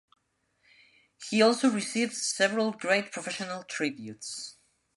He also received several great professional tributes.